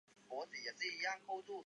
这项庆典包含了两场美术展。